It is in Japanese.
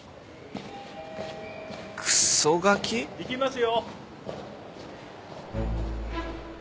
行きますよ。